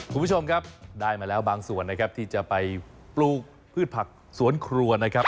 คุณผู้ชมครับได้มาแล้วบางส่วนนะครับที่จะไปปลูกพืชผักสวนครัวนะครับ